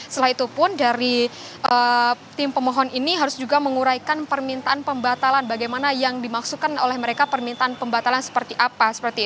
setelah itu pun dari tim pemohon ini harus juga menguraikan permintaan pembatalan bagaimana yang dimaksudkan oleh mereka permintaan pembatalan seperti apa